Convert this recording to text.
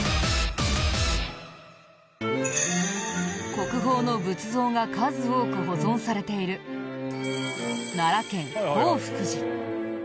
国宝の仏像が数多く保存されている奈良県興福寺。